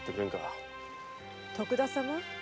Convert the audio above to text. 徳田様